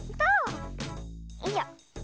よいしょ。